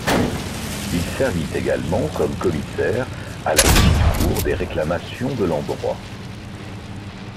Il servit également comme commissaire à la petite cours des réclamations de l'endroit.